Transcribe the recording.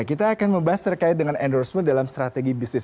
kita akan membahas terkait dengan endorsement dalam strategi bisnis